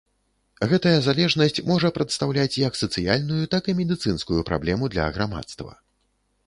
Гэтая залежнасць можа прадстаўляць як сацыяльную, так і медыцынскую праблему для грамадства.